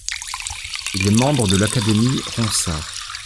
Il est membre de l'académie Ronsard.